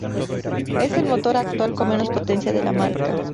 Es el motor actual con menos potencia de la marca.